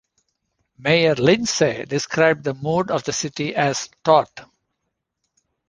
Mayor Lindsay described the mood of the city as "taut".